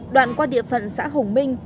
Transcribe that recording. đoạn qua địa phận xã hồng minh